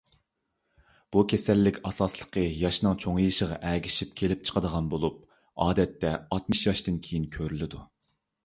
بۇ كېسەللىك ئاساسلىقى ياشنىڭ چوڭىيىشىغا ئەگىشىپ كېلىپ چىقىدىغان بولۇپ، ئادەتتە ئاتمىش ياشتىن كېيىن كۆرۈلىدۇ.